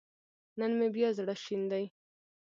نن مې بيا زړه شين دی